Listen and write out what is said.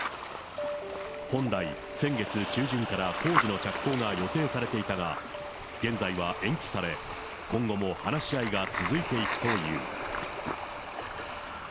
本来、先月中旬から工事の着工が予定されていたが、現在は延期され、今後も話し合いが続いていくという。